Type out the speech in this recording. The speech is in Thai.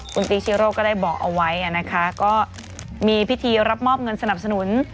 คุณตีชิโร่ก็ได้บอกเอาไว้นะคะก็มีพิธีรับมอบเงินสนับสนุน